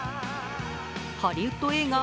ハリウッド映画